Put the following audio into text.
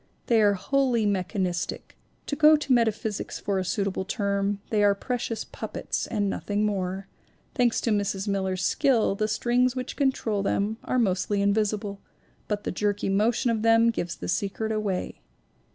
They are wholly mechanistic, to go to metaphysics for a suitable term ; they are precious puppets and nothing more; thanks to Mrs. Miller's skill the strings which control them are mostly invisible, but the jerky motion of them gives the secret away.